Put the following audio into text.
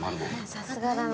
さすがだな。